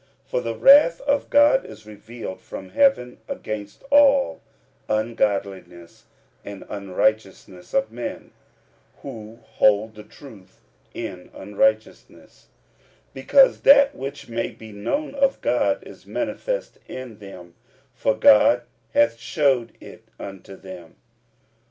45:001:018 For the wrath of God is revealed from heaven against all ungodliness and unrighteousness of men, who hold the truth in unrighteousness; 45:001:019 Because that which may be known of God is manifest in them; for God hath shewed it unto them.